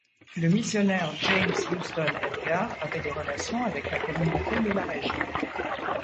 Le missionnaire James Huston Edgar avait des relations avec la communauté de la région.